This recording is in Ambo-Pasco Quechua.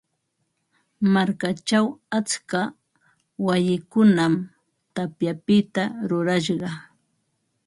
Markachaw atska wayikunam tapyapita rurashqa.